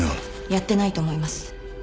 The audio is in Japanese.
やってないと思います。